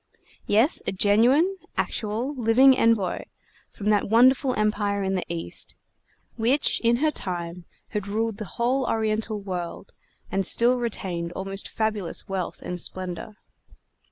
Yes, a genuine, actual, living envoy from that wonderful Empire in the East, which in her time had ruled the whole Oriental world, and still retained almost fabulous wealth and splendor.